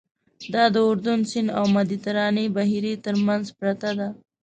دا د اردن سیند او مدیترانې بحیرې تر منځ پرته ده.